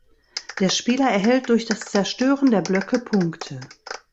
Der Spieler erhält durch das Zerstören der Blöcke Punkte.